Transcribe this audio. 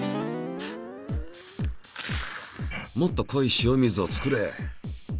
もっと濃い塩水を作れ。